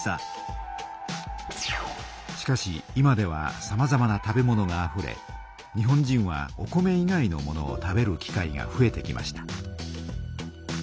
しかし今ではさまざまな食べ物があふれ日本人はお米以外の物を食べる機会がふえてきました。